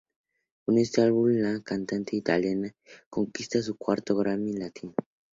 Con este álbum la cantante italiana conquista su cuarto Grammy latino.